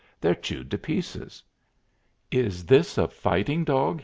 "They're chewed to pieces. Is this a fighting dog?"